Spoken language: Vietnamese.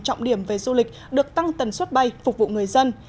trọng điểm về du lịch được tăng tần suất bay phục vụ người dân